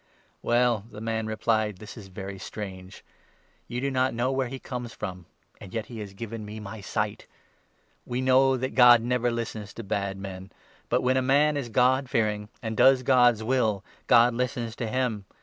Well," the man replied, " this is very strange ; you do not 30 know where he comes from, and yet he has given me my sight ! We know that God never listens to bad men, but, when a man 31 is god fearing and does God's will, God listens to him.